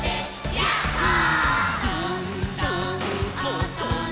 ヤッホー。